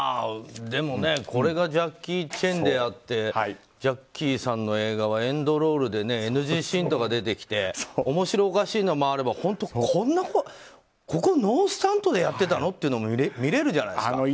でもね、これがジャッキー・チェンであってジャッキーさんの映画はエンドロールでＮＧシーンとか出てきて面白おかしいのもあれば本当ここノースタントでやってたの？というところも見られるじゃないですか。